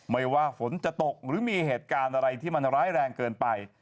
ไม่ว่าฝนจะตกหรือมีเหตุการณ์อะไรที่มันร้ายแรงเกินไป